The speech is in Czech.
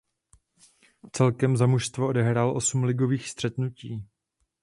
Celkem za mužstvo odehrál osm ligových střetnutí.